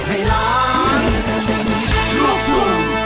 เพลงที่สามมูลค่า๔๐๐๐๐นะครับ